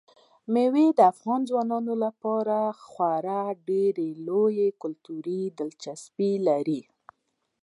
مېوې د افغان ځوانانو لپاره خورا ډېره لویه کلتوري دلچسپي لري.